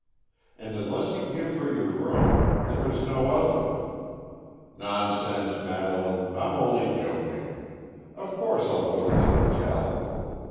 And unless you give her your room, there is no other——" "Nonsense, Madeleine! I'm only joking. Of course I'll go to the hotel.